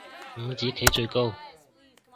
五子棋最高